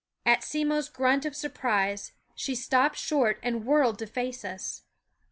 At Simmo's grunt of surprise she stopped short and whirled to face us.